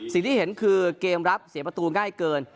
สิ่งที่เห็นคือเกมรับเสียประตูง่ายเกิน